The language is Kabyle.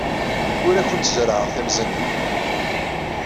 Ur awent-zerrɛeɣ timẓin-nwent.